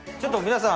皆さん。